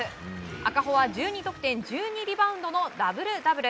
赤穂は１２得点１２リバウンドのダブルダブル。